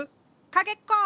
かけっこ！